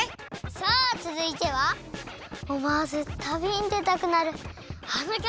さあつづいてはおもわずたびにでたくなるあのきょくです！